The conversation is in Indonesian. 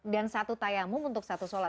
dan satu tayamum untuk satu sholat